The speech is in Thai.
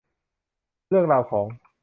เรื่องราวของ